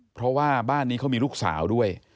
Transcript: เพราะว่าบ้านนี้เขามีลูกสาวด้วย